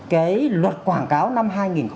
cái luật quảng cáo năm hai nghìn một mươi